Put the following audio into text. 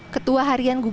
ketua harian gugurkul